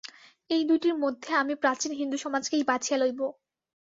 এই দুইটির মধ্যে আমি প্রাচীন হিন্দু-সমাজকেই বাছিয়া লইব।